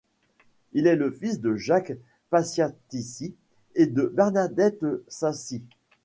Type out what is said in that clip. Il est le fils de Jacques Panciatici et de Bernadette Sacy.